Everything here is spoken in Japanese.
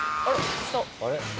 あれ？